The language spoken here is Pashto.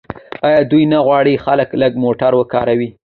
آیا دوی نه غواړي خلک لږ موټر وکاروي؟